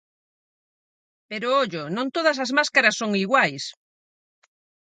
Pero, ollo, non todas as máscaras son iguais.